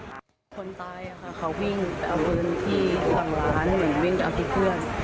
คนตายเขาวิ่งไปเอาปืนที่ทางร้านเหมือนวิ่งไปเอาที่เพื่อน